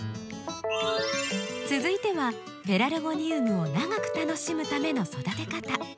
続いてはペラルゴニウムを長く楽しむための育て方。